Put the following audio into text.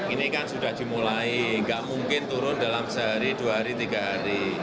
ini kan sudah dimulai nggak mungkin turun dalam sehari dua hari tiga hari